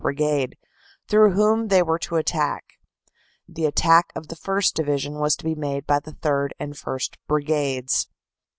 Brigade, through whom they were to attack. The attack of the 1st. Division was to be made by the 3rd. and 1st. Brigades.